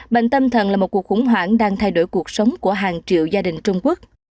bệnh tâm thần là một cuộc khủng hoảng đang thay đổi cuộc sống của hàng triệu gia đình trung quốc